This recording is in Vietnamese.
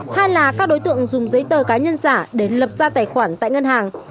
hai là các đối tượng dùng giấy tờ cá nhân giả để lập ra tài khoản tại ngân hàng